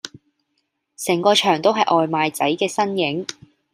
成個場都係外賣仔嘅身影